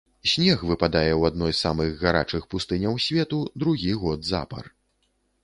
Снег выпадае ў адной з самых гарачых пустыняў свету другі год запар.